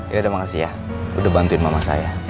yaudah makasih ya udah bantuin mama saya